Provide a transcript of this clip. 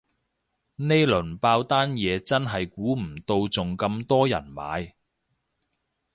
呢輪爆單嘢真係估唔到仲咁多人買